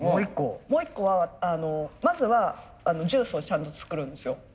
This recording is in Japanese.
もう一個はまずはジュースをちゃんと作るんですよ。